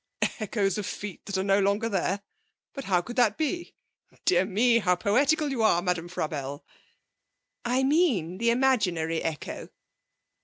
'Echo of feet that are no longer there? But how could that be? Dear me, how poetical you are, Madame Frabelle!' 'I mean the imaginary echo.'